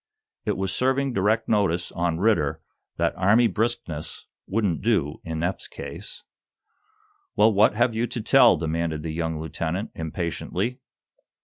It was serving direct notice on Ridder that Army briskness wouldn't do in Eph's case. "Well, what have you to tell?" demanded the young lieutenant, impatiently.